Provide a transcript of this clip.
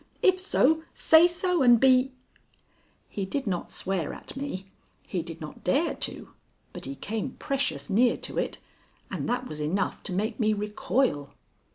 If so, say so, and be " He did not swear at me; he did not dare to, but he came precious near to it, and that was enough to make me recoil.